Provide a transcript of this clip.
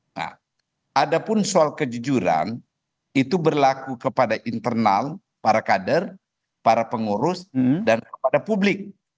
nah ada pun soal kejujuran itu berlaku kepada internal para kader para pengurus dan kepada publik